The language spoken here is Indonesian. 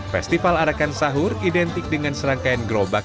festival arakansahur identik dengan serangkaian gerobak